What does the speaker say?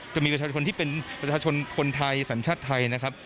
จะมีประชาชนที่เป็นประชาชนคนไทยสัญชาติไทยนะครับ